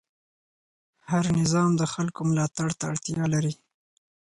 هر نظام د خلکو ملاتړ ته اړتیا لري